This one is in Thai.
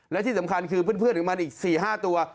และที่สำคัญคือเพื่อนของมันอีก๔๕ตัว